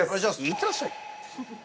◆行ってらっしゃい。